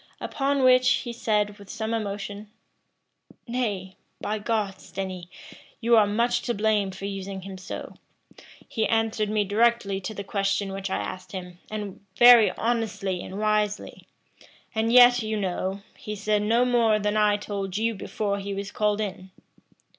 Upon which he said, with some emotion, "Nay, by God, Stenny, you are much to blame for using him so: he answered me directly to the question which I asked him, and very honestly and wisely; and yet, you know, he said no more than I told you before he was called in."